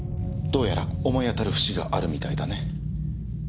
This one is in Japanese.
どうやら思い当たる節があるみたいだね。